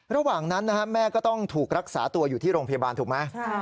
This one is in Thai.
ระหว่างนั้นแม่ก็ต้องถูกรักษาตัวอยู่ที่โรงพยาบาลถูกไหม